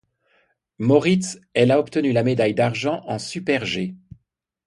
Moritz, elle a obtenu la médaille d'argent en Super-G.